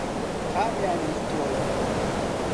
کامیان هی تۆیە؟